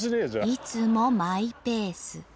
いつもマイペース。